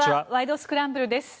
スクランブル」です。